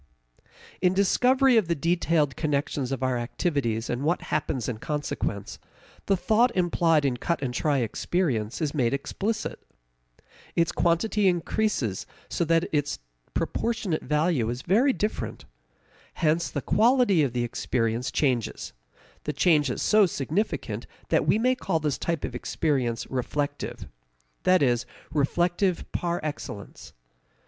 In discovery of the detailed connections of our activities and what happens in consequence, the thought implied in cut and try experience is made explicit. Its quantity increases so that its proportionate value is very different. Hence the quality of the experience changes; the change is so significant that we may call this type of experience reflective that is, reflective par excellence.